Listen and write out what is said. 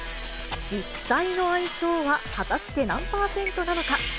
実際の相性は、果たして何％なのか。